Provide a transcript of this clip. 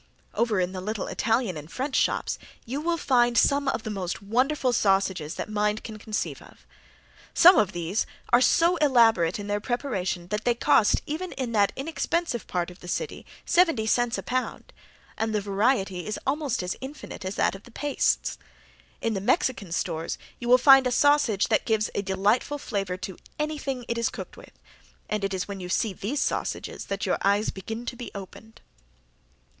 Over in the little Italian and French shops you will find some of the most wonderful sausages that mind can conceive of. Some of these are so elaborate in their preparation that they cost even in that inexpensive part of the city, seventy cents a pound, and the variety is almost as infinite as that of the pastes. In the Mexican stores you will find a sausage that gives a delightful flavor to anything it is cooked with, and it is when you see these sausages that your eyes begin to be opened.